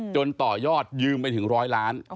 จนต่อยอดยืมไปถึง๑๐๐ล้าน